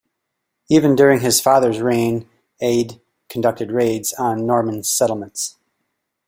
Even during his father's reign Aedh conducted raids on Norman settlements.